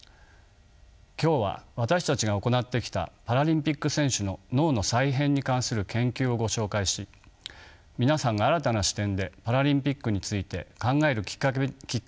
今日は私たちが行ってきたパラリンピック選手の「脳の再編」に関する研究をご紹介し皆さんが新たな視点でパラリンピックについて考えるきっかけになればと思います。